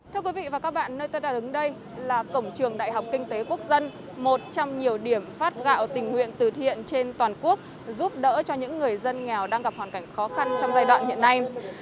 thưa quý vị và các bạn nơi tôi đang đứng đây là cổng trường đại học kinh tế quốc dân một trong nhiều điểm phát gạo tình nguyện từ thiện trên toàn quốc giúp đỡ cho những người dân nghèo đang gặp hoàn cảnh khó khăn trong giai đoạn hiện nay